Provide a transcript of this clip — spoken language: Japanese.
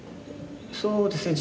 そうですね